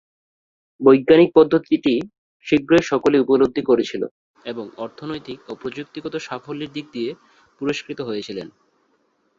বৈজ্ঞানিক পদ্ধতিটি শীঘ্রই সকলে উপলব্ধি করেছিল এবং অর্থনৈতিক ও প্রযুক্তিগত সাফল্যের দিক দিয়ে পুরস্কৃত হয়েছিলেন।